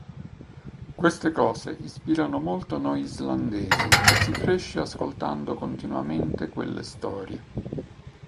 Queste cose ispirano molto noi islandesi e si cresce ascoltando continuamente quelle storie.